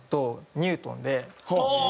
ニュートン。